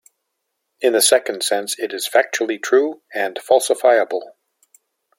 In the second sense it is factually true and falsifiable.